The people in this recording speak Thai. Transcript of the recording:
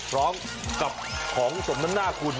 ร้องกับของสมนาคุณ